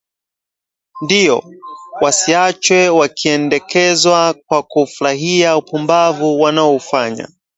Ndiyo! Wasiachwe wakiendekezwa kwa kuufurahia upumbavu wanaoufanya